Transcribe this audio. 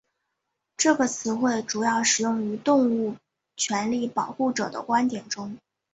这个词汇主要使用于动物权利保护者的观点中。